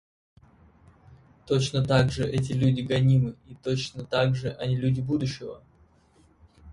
Точно так же эти люди гонимы, и точно так же они люди будущего.